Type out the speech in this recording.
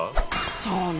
そうね。